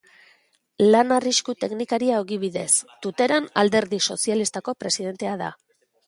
Lan-arrisku teknikaria ogibidez, Tuteran alderdi sozialistako presidentea da.